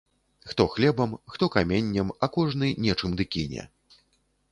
Хто хлебам, хто каменнем, а кожны нечым ды кіне.